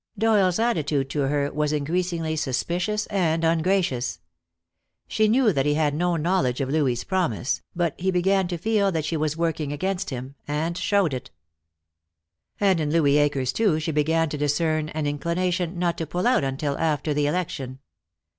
Doyle's attitude to her was increasingly suspicious and ungracious. She knew that he had no knowledge of Louis's promise, but he began to feel that she was working against him, and showed it. And in Louis Akers too she began to discern an inclination not to pull out until after the election.